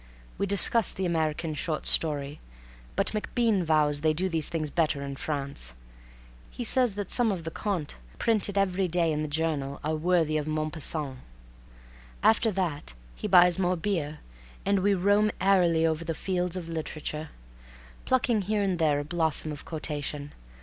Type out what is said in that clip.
We discuss the American short story, but MacBean vows they do these things better in France. He says that some of the contes printed every day in the Journal are worthy of Maupassant. After that he buys more beer, and we roam airily over the fields of literature, plucking here and there a blossom of quotation.